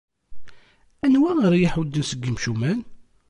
Anwa ara iyi-iḥudden seg yimcumen?